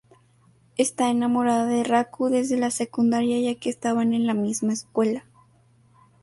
Está enamorada de Raku desde la secundaria, ya que estaban en la misma escuela.